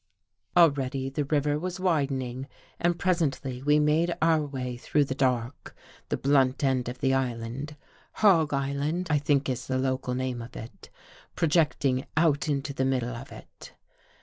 Already the river was widening, and presently we made out through the dark, the blunt end of the island — Hoag Island, I think Is the local name of it — projecting out into the middle of it.